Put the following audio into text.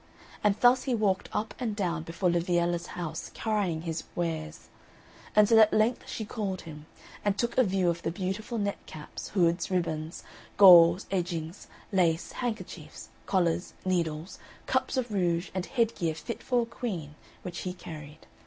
And thus he walked up and down before Liviella's house crying his wares, until at length she called him, and took a view of the beautiful net caps, hoods, ribands, gauze, edgings, lace, handkerchiefs, collars, needles, cups of rouge, and head gear fit for a queen, which he carried.